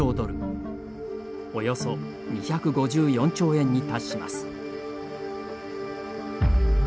およそ２５４兆円に達します。